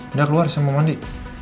udah keluar saya mau mandi